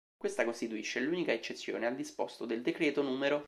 Questa costituisce l'unica eccezione al disposto del decreto n.